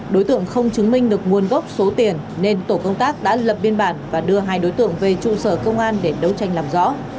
đối tượng không chứng minh được nguồn gốc số tiền nên tổ công tác đã lập biên bản và đưa hai đối tượng về trụ sở công an để đấu tranh làm rõ